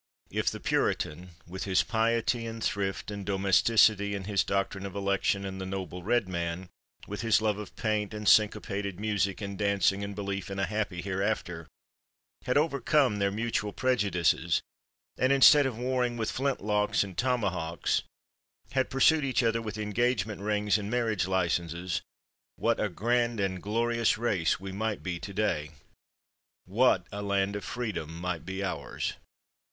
If the Puritan, with his piety and thrift and domesticity and his doctrine of election and the Noble Red Man, with his love of paint and syncopated music and dancing and belief in a happy Hereafter, had overcome their mutual prejudices and instead of warring with flintlocks and tomahawks, had pursued each other with engagement rings and marriage licenses, what a grand and glorious race we might be today! What a land of freedom might be ours!